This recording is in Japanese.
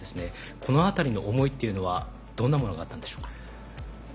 このあたりの思いというのはどんなものがあったんでしょうか。